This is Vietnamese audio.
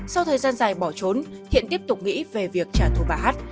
sau thời gian dài bỏ trốn thiện tiếp tục nghĩ về việc trả thù bà hát